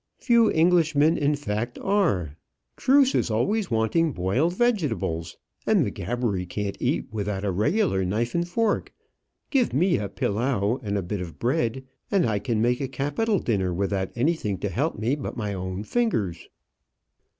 Few Englishman in fact are. Cruse is always wanting boiled vegetables, and M'Gabbery can't eat without a regular knife and fork. Give me a pilau and a bit of bread, and I can make a capital dinner without anything to help me but my own fingers."